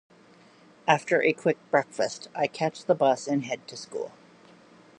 After a quick breakfast, I catch the bus and head to school.